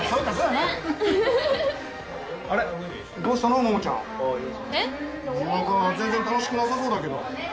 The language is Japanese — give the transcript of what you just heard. なんか全然楽しくなさそうだけど。